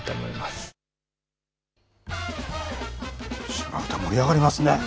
シマ唄、盛り上がりますね。